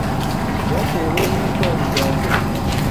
byatewe n'ubutwari bwanjye.